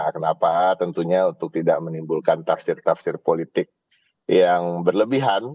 kenapa tentunya untuk tidak menimbulkan tafsir tafsir politik yang berlebihan